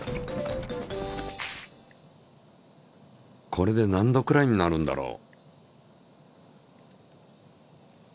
これで何度くらいになるんだろう？